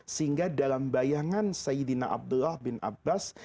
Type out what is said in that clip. sehingga dalam bayangan sayyidina abdullah bin abbas